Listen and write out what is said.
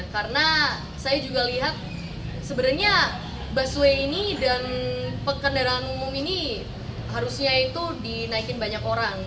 karena saya juga lihat sebenarnya busway ini dan kendaraan umum ini harusnya itu dinaikin banyak orang